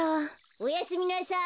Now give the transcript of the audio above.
・おやすみなさい！